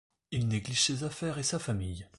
Il néglige ses affaires et sa famille.